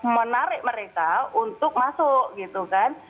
menarik mereka untuk masuk gitu kan